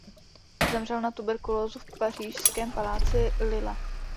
Zemřel na tuberkulózu v pařížském paláci Lille.